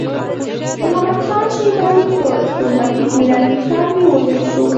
محمد خان شیباني په سپوږمیز میلادي کال کې ووژل شو.